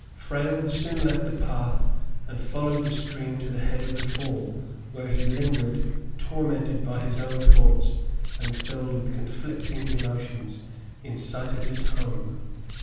Frale soon left the path and followed the stream to the head of the fall, where he lingered, tormented by his own thoughts and filled with conflicting emotions, in sight of his home.